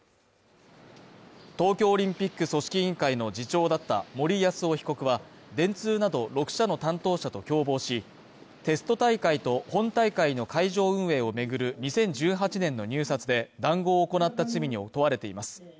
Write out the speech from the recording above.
東京オリンピック組織委員会の次長だった森泰夫被告は、電通など６社の担当者と共謀し、テスト大会と本大会の会場運営を巡る２０１８年の入札で談合を行った罪に問われています。